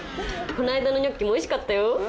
こないだのニョッキもおいしかったよ。